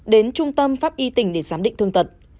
đến trung tâm pháp y tỉnh để giám định thương tật